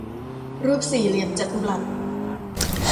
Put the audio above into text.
รูปสี่เหลี่ยมจัตุรัส